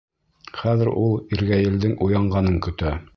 Хәҙер ул иргәйелдең уянғанын көтә.